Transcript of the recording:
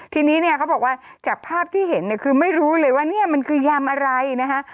ทีนี้เนี่ยเขาบอกว่าจากภาพที่เห็นเนี่ยคือไม่รู้เลยว่าเนี่ยมันคือยำอะไรนะคะ